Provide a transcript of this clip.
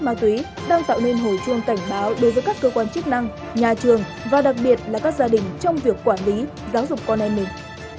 ma túy đang tạo nên hồi chuông cảnh báo đối với các cơ quan chức năng nhà trường và đặc biệt là các gia đình trong việc quản lý giáo dục con em mình